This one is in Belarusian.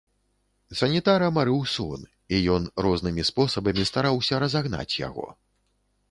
Санітара марыў сон, і ён рознымі спосабамі стараўся разагнаць яго.